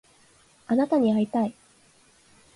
あなたに会いたい